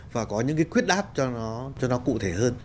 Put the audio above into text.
và có những cái quyết đáp cho nó cụ thể hơn